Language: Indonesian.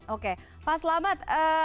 oke pak selamat